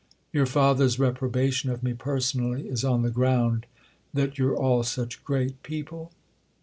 "Your father's reprobation of me personally is on the ground that you're all such great people?"